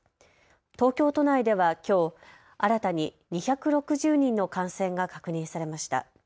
東京都内ではきょう新たに２６０人の感染が確認されました。